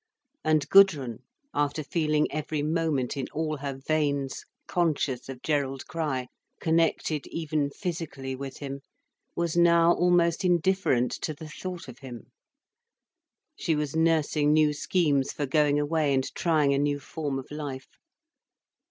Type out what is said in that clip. And Gudrun, after feeling every moment in all her veins conscious of Gerald Crich, connected even physically with him, was now almost indifferent to the thought of him. She was nursing new schemes for going away and trying a new form of life.